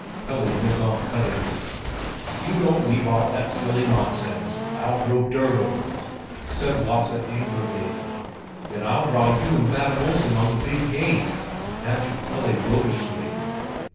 Pelle went on cutting. "If you don't leave off that silly nonsense, I'll throw dirt over it!" said Lasse angrily. "Then I'll draw you and Madam Olsen on the big gate!" answered Pelle roguishly.